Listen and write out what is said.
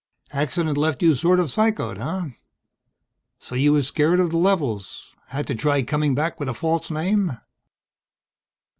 "Accident left you sort of psychoed, huh? So you was scared of the levels? Had to try coming back with a false name?"